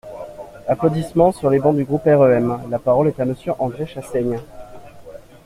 (Applaudissements sur les bancs du groupe REM.) La parole est à Monsieur André Chassaigne.